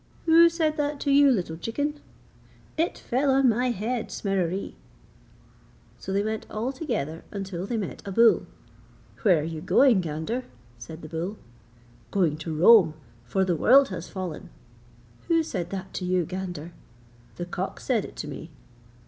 'Who said that to you, little chicken?' 'It fell on my head, Smereree!' So they went all together until they met a bull. 'Where are you going, gander?' said the bull. 'Going to Rome, for the world has fallen.' 'Who said that to you, gander?' 'The cock said it to me.'